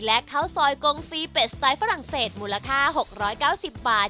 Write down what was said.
และข้าวซอยกงฟีเป็ดสไตล์ฝรั่งเศสมูลค่า๖๙๐บาท